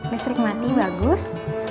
listrik mati bagus